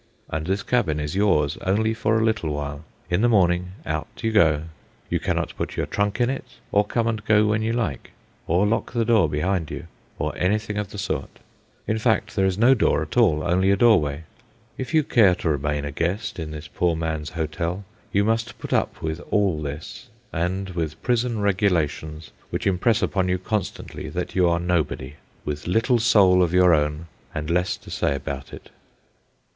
And this cabin is yours only for a little while. In the morning out you go. You cannot put your trunk in it, or come and go when you like, or lock the door behind you, or anything of the sort. In fact, there is no door at all, only a doorway. If you care to remain a guest in this poor man's hotel, you must put up with all this, and with prison regulations which impress upon you constantly that you are nobody, with little soul of your own and less to say about it.